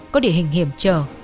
có địa hình hiểm trở